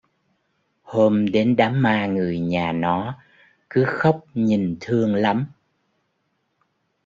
Hôm đến đám ma người nhà nó cứ khóc nhìn thương lắm